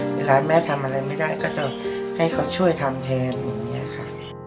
เวลาแม่ทำอะไรไม่ได้ก็จะให้เขาช่วยทำแทนอย่างนี้ค่ะ